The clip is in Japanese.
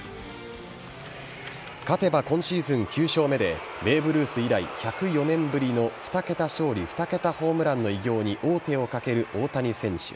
勝てば今シーズン９勝目でベーブ・ルース以来１０４年ぶりの２桁勝利２桁ホームランの偉業に王手をかける大谷選手。